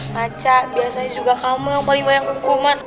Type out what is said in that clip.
baca biasanya juga kamu yang paling bayang hukuman